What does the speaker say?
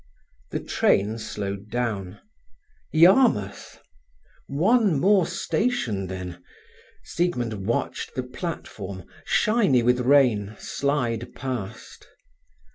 The train slowed down: Yarmouth! One more station, then. Siegmund watched the platform, shiny with rain, slide past.